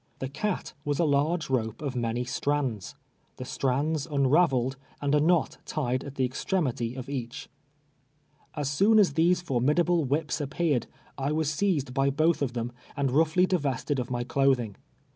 The cat was a large rope of many strands —• the strands unraveled, and a knot tied at the extrem ity of each. As soon as these formidable whi]:»s appeared, I Avas seized by both of them, and roughly divested of my clothing.